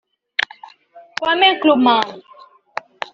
Kwame Nkrumah